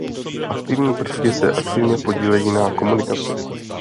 Aktivní prvky se aktivně podílejí na komunikaci.